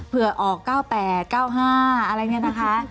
เผื่อออก๙๘๙๕อะไรแบบนี้นะคะ